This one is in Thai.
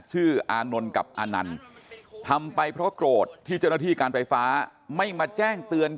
อานนท์กับอานันต์ทำไปเพราะโกรธที่เจ้าหน้าที่การไฟฟ้าไม่มาแจ้งเตือน